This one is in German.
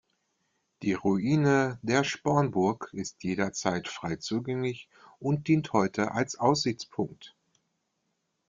Die Ruine der Spornburg ist jederzeit frei zugänglich und dient heute als Aussichtspunkt.